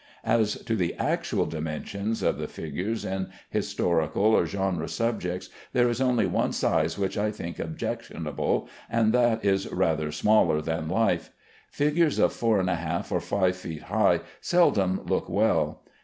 As to the actual dimensions of the figures in historical or "genre" subjects, there is only one size which I think objectionable, and that is rather smaller than life. Figures of four and a half or five feet high seldom look well.